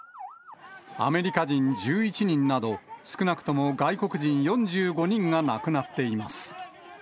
アメリカ人１１人など、少なくとも外国人４５人が亡くなっています。